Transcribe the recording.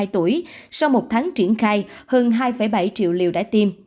một mươi hai tuổi sau một tháng triển khai hơn hai bảy triệu liều đã tiêm